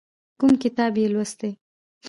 کوم کتاب دې یې لوستی؟